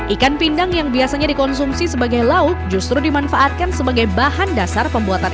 ikan pindang yang biasanya dikonsumsi sebagai lauk justru dimanfaatkan sebagai bahan dasar pembuatan